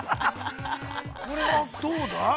これはどうだ。